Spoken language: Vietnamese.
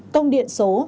công điện số tám